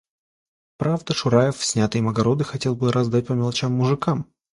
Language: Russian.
Правда, Шураев снятые им огороды хотел было раздать по мелочам мужикам.